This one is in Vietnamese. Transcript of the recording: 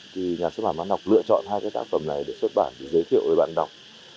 thì nhà xuất bản văn học lựa chọn hai cái tác phẩm này để xuất bản để giới thiệu với bạn đọc